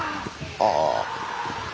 ああ。